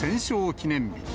記念日。